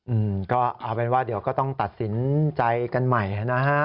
อืมก็เอาเป็นว่าเดี๋ยวก็ต้องตัดสินใจกันใหม่นะฮะ